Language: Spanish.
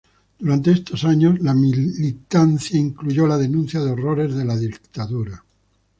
Durante estos años la militancia incluyó la denuncia de horrores de la dictadura.